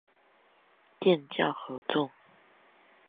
建教合作